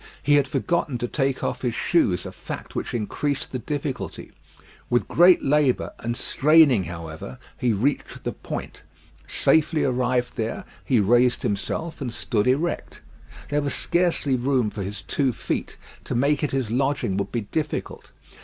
He had forgotten to take off his shoes, a fact which increased the difficulty. With great labour and straining, however, he reached the point. Safely arrived there, he raised himself and stood erect. There was scarcely room for his two feet. To make it his lodging would be difficult.